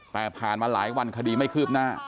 แต่ผ่านมาหลายวันคดีไม่คืบหน้า